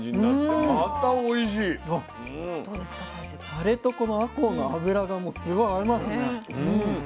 タレとこのあこうの脂がもうすごい合いますね。